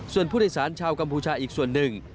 ส่วนผู้โดยสารชาวกัมพูชาอีกส่วนหนึ่ง